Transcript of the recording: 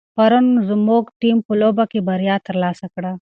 پرون زموږ ټیم په لوبه کې بریا ترلاسه کړه.